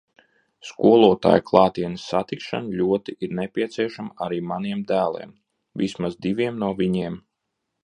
Skolotāju klātienes satikšana ļoti ir nepieciešama arī maniem dēliem, vismaz diviem no viņiem.